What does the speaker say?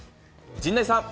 陣内さん。